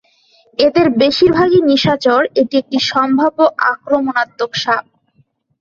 এদের বেশিরভাগই নিশাচর, এটি একটি সম্ভাব্য আক্রমণাত্মক সাপ।